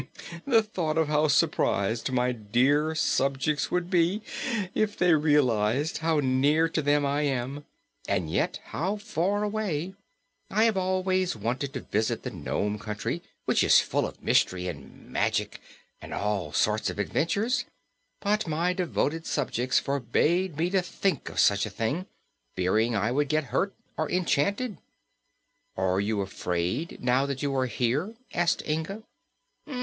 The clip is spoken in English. "The thought of how surprised my dear subjects would be if they realized how near to them I am, and yet how far away. I have always wanted to visit the Nome Country, which is full of mystery and magic and all sorts of adventures, but my devoted subjects forbade me to think of such a thing, fearing I would get hurt or enchanted." "Are you afraid, now that you are here?" asked Inga.